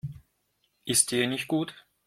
Ist dir nicht gut?